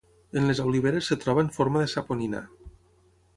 En les oliveres es troba en forma de saponina.